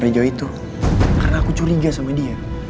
di jawa itu karena aku curiga sama dia